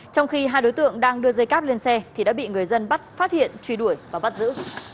trong khi hai đối tượng đang đưa dây cáp lên xe thì đã bị người dân bắt phát hiện truy đuổi và bắt giữ